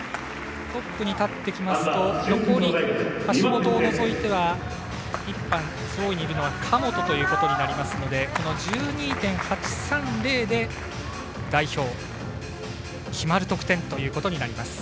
トップに立ちますと残り、橋本を除いては１班、上位にいるのは神本となりますので１２．８３０で代表が決まる得点となります。